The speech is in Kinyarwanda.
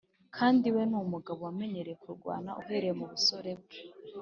kandi we ni umugabo wamenyereye kurwana uhereye mu busore bwe.